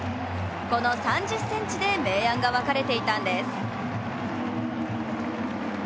この３０ｃｍで明暗が分かれていたんです。